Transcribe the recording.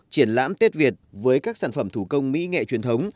triển lãm tết việt với các sản phẩm thủ công mỹ nghệ truyền thống